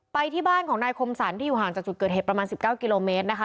ที่บ้านของนายคมสรรที่อยู่ห่างจากจุดเกิดเหตุประมาณ๑๙กิโลเมตรนะคะ